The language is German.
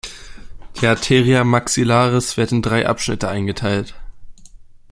Die Arteria maxillaris wird in drei Abschnitte eingeteilt.